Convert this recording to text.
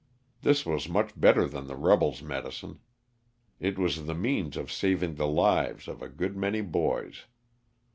This was much better than the rebels' medicine. It was the means of saving the lives of a good many boys.